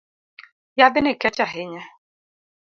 Yadhni kech ahinya